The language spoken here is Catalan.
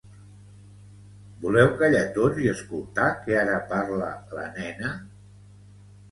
Voleu callar tots i escoltar que ara parla la nena